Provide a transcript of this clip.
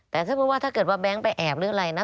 แต่ถ้าเกิดว่าแบงค์ไปแอบหรืออะไรนะ